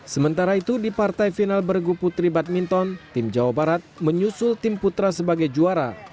sementara itu di partai final bergu putri badminton tim jawa barat menyusul tim putra sebagai juara